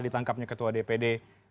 ditangkapnya ketua dpd